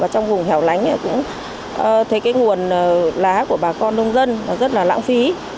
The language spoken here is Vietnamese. trong vùng hẻo lánh thấy nguồn lá của bà con nông dân rất là lãng phí